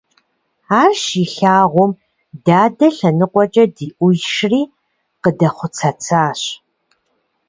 Ар щилъагъум, дадэ лъэныкъуэкӀэ дыӀуишри къыдэхъуцэцащ.